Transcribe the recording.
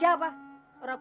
siapa yang mau lawan